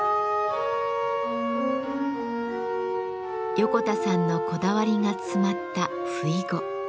横田さんのこだわりが詰まったふいご。